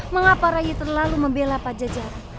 mengapa rai terlalu membela pajajara